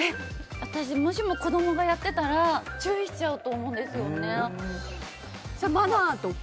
私、もしも子供がやっていたら注意しちゃうと思います。